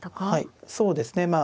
はいそうですね